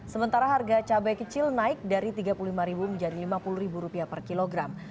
sementara harga cabai kecil naik dari rp tiga puluh lima menjadi rp lima puluh per kilogram